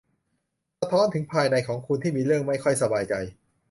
สะท้อนถึงภายในของคุณที่มีเรื่องไม่ค่อยสบายใจ